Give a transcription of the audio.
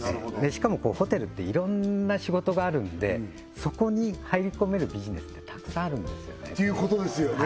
しかもホテルっていろんな仕事があるんでそこに入り込めるビジネスってたくさんあるんですよねということですよね